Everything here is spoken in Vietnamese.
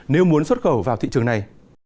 nếu muốn xuất khẩu vào thị trường này